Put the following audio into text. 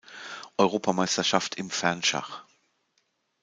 Europameisterschaft im Fernschach.